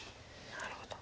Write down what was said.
なるほど。